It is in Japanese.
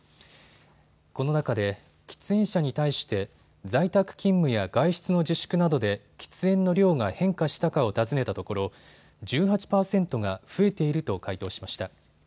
この中で喫煙者に対して在宅勤務や外出の自粛などで喫煙の量が変化したかを尋ねたところ１８％が増えていると回答しました。